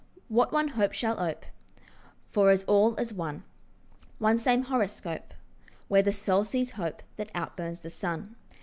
What one hope shall ope For us all as one One same horoscope, Where the soul sees hope That outburns the sun?